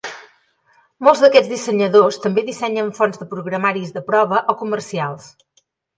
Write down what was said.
Molts d'aquests dissenyadors també dissenyen fonts de programaris de prova o comercials.